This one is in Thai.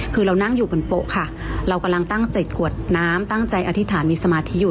คือเรานั่งอยู่บนโป๊ะค่ะเรากำลังตั้งเจ็ดกวดน้ำตั้งใจอธิษฐานมีสมาธิอยู่